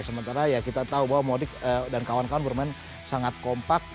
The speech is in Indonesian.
sementara ya kita tahu bahwa modik dan kawan kawan bermain sangat kompak